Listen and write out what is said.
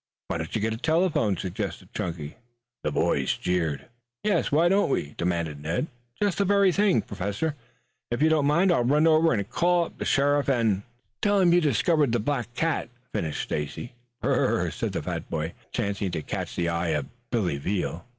"Why don't you get a telephone?" suggested Chunky. The boys jeered. "Yes, why don't we?" demanded Ned. "Just the very thing! Professor, if you don't mind I'll run over and call up the sheriff and " "Tell him you've discovered the black cat," finished Stacy. "Br r r!" said the fat boy, chancing to catch the eye of Billy Veal.